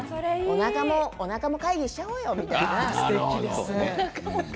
おなかも会議しちゃおうよみたいなね。